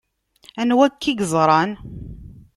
Anwa akka i yeẓran?